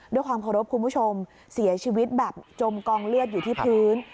ด้วยความเคารพคุณผู้ชมเสียชีวิตแบบจมกองเลือดอยู่ที่พื้น